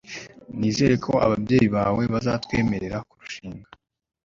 Nizere ko ababyeyi bawe bazatwemerera kurushinga